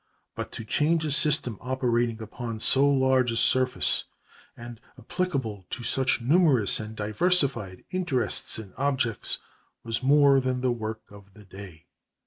But to change a system operating upon so large a surface and applicable to such numerous and diversified interests and objects was more than the work of a day.